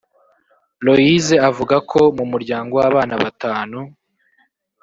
Loise avuka mu muryango w’abana batanu